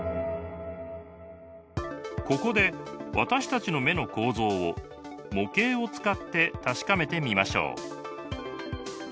ここで私たちの目の構造を模型を使って確かめてみましょう。